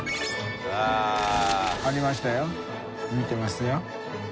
あぁ。ありましたよ見てますよ。